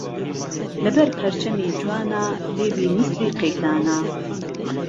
لهبهر پرچهمی جوانه، لێوی میسلی قهیتانه